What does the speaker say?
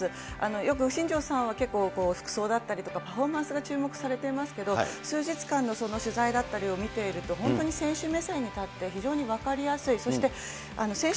よく新庄さんは結構、服装だったりとかパフォーマンスが注目されていますけれども、数日間の取材だったりを見ていると、本当に選手目線に立って、非常に分かりやすい、そして選手